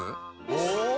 お！